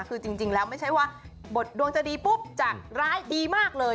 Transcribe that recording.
คือจริงแล้วไม่ใช่ว่าบทดวงจะดีปุ๊บจากร้ายดีมากเลย